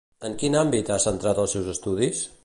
En quin àmbit ha centrat els seus estudis?